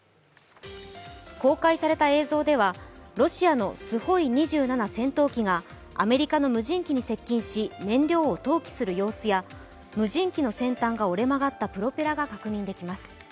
公開された映像ではロシアのＳｕ−２７戦闘機がアメリカの無人機に接近し、燃料を投棄する様子や、無人機の先端が折れ曲がったプロペラが確認されます。